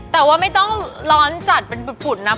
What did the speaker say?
แต่ว่าไม่ต้องร้อนจัดเป็นผุดนะ